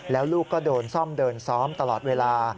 แล้วลูกก็โดนซ่อมเดินซ้อมตลอดเวลา